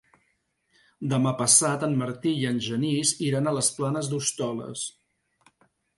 Demà passat en Martí i en Genís iran a les Planes d'Hostoles.